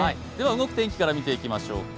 動く天気から見ていきましょうか。